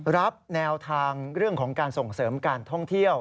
แนวทางเรื่องของการส่งเสริมการท่องเที่ยว